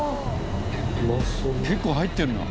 結構入ってるな。